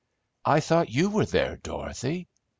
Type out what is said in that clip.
"I thought you were there, Dorothy!"